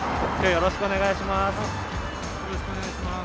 よろしくお願いします。